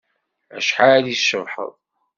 Acḥal i tcebḥeḍ.